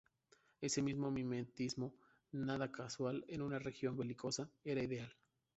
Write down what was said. Ese mimetismo, nada casual, en una región belicosa, era ideal.